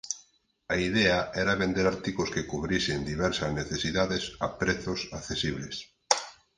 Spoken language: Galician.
A idea era vender artigos que cubrisen diversas necesidades a prezos accesibles.